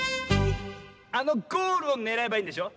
あのゴールをねらえばいいんでしょ。